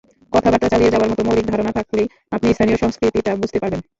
কথাবার্তা চালিয়ে যাওয়ার মতো মৌলিক ধারণা থাকলেই আপনি স্থানীয় সংস্কৃতিটা বুঝতে পারবেন।